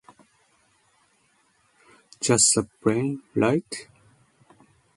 Just the plan, right?